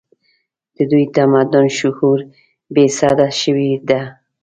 د دوی تمدني شعور بې سده شوی دی